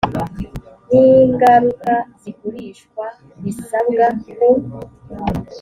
n ingaruka z igurishwa risabwa ku